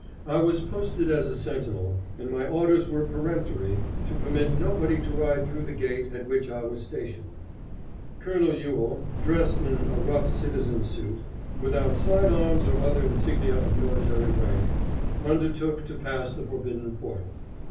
I was posted as a sentinel, and my orders were peremptory to permit nobody to ride through the gate at which I was stationed. Colonel Ewell, dressed in a rough citizen's suit, without side arms or other insignia of military rank, undertook to pass the forbidden portal.